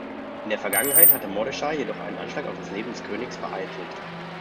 In der Vergangenheit hatte Mordechai jedoch einen Anschlag auf das Leben des Königs vereitelt.